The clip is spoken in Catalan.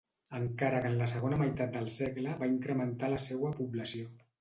Encara que en la segona meitat del segle va incrementar la seua població.